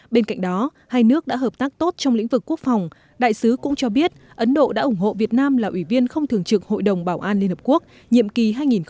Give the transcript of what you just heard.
bên cạnh đó hai nước đã hợp tác tốt trong lĩnh vực quốc phòng đại sứ cũng cho biết ấn độ đã ủng hộ việt nam là ủy viên không thường trực hội đồng bảo an liên hợp quốc nhiệm kỳ hai nghìn hai mươi hai nghìn hai mươi một